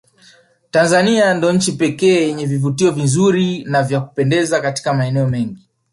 Tanzania ndio nchi pekee yenye vivutio vinzuri na vya kupendeza Katika maeneo mengi